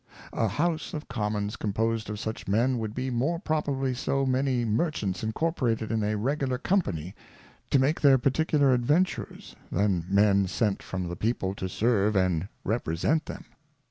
A House of Commons composed of such Men, would be more properly so many Merchants incorporated in a Regular Com pany, to make their particular Adventures, than Men sent from the People to serve and represent them.